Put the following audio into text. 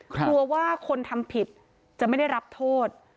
กลัวว่าคนทำผิดจะไม่ได้รับโทษ